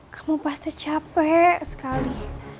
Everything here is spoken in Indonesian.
kamu pasti capek sekali